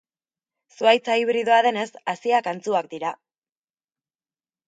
Zuhaitza hibridoa denez, haziak antzuak dira.